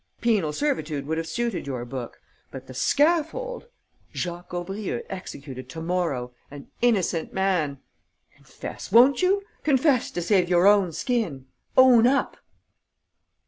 Penal servitude would have suited your book; but the scaffold!... Jacques Aubrieux executed to morrow, an innocent man!... Confess, won't you? Confess to save your own skin! Own up!"